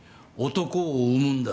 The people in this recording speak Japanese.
男を産むんだ。